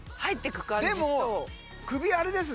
でも。